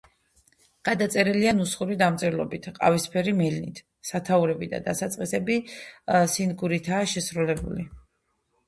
გადაწერილია ნუსხური დამწერლობით, ყავისფერი მელნით; სათაურები და დასაწყისები სინგურითაა შესრულებული.